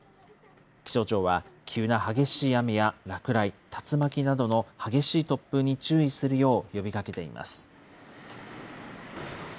気象庁は急な激しい雨や落雷、竜巻などの激しい突風に注意するよう呼びかけています。